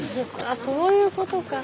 あそういうことか。